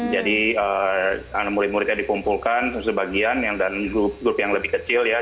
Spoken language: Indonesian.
jadi anak murid muridnya dipumpulkan sebagian dan grup yang lebih kecil ya